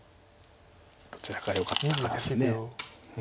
どちらがよかったかです。